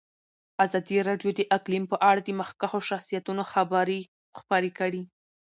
ازادي راډیو د اقلیم په اړه د مخکښو شخصیتونو خبرې خپرې کړي.